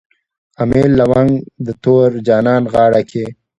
امیل لونګ د تور جانان غاړه کي